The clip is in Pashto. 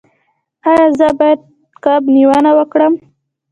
ایا زه باید کب نیونه وکړم؟